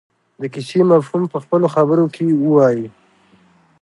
د کیسې مفهوم په خپلو خبرو کې ووايي.